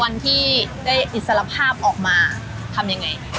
วันที่ได้อิสรภาพออกมาทำยังไง